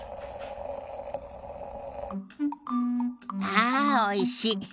ああおいし。